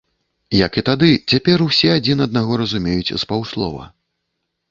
Як і тады, цяпер усе адзін аднаго разумеюць з паўслова.